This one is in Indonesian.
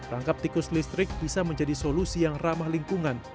rangkap tikus listrik bisa menjadi solusi yang ramah lingkungan